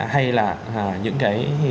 hay là những cái